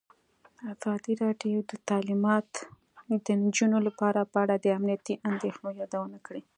ازادي راډیو د تعلیمات د نجونو لپاره په اړه د امنیتي اندېښنو یادونه کړې.